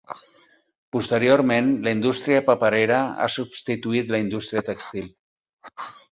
Posteriorment, la indústria paperera ha substituït la indústria tèxtil.